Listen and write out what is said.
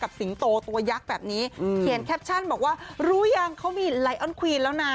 สิงโตตัวยักษ์แบบนี้เขียนแคปชั่นบอกว่ารู้ยังเขามีไลออนควีนแล้วนะ